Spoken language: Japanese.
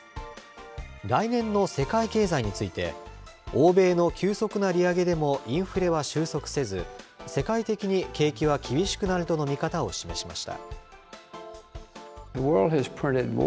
来年の世界経済について、欧米の急速な利上げでもインフレは収束せず、世界的に景気は厳しくなるとの見方を示しました。